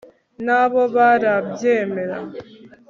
na bo barabyemera